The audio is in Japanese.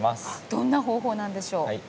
どんな方法なんでしょう？